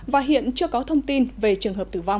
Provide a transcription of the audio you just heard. và hiện chưa có thông tin về trường hợp tử vong